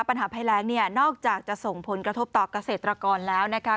ปัญหาภัยแรงเนี่ยนอกจากจะส่งผลกระทบต่อเกษตรกรแล้วนะคะ